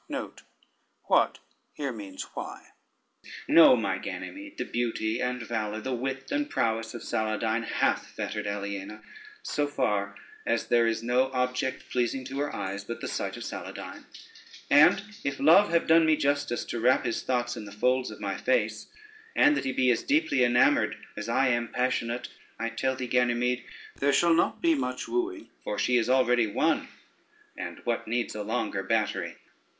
Know, my Ganymede, the beauty and valor, the wit and prowess of Saladyne hath fettered Aliena so far, as there is no object pleasing to her eyes but the sight of Saladyne; and if Love have done me justice to wrap his thoughts in the folds of my face, and that he be as deeply enamored as I am passionate, I tell thee, Ganymede, there shall not be much wooing, for she is already won, and what needs a longer battery." [Footnote 1: why.